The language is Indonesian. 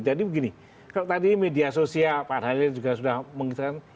begini kalau tadi media sosial pak hadir juga sudah mengatakan